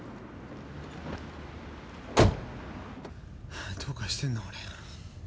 ハァどうかしてんな俺。